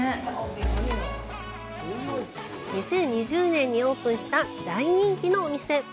２０２０年にオープンした大人気のお店。